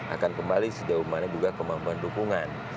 akan kembali sejauh mana juga kemampuan dukungan